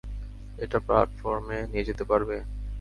এটা প্ল্যাটফর্মে নিয়ে যেতে পারবে?